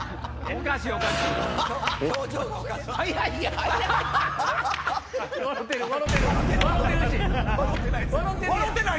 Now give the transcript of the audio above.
おかしいな。